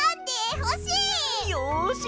よし！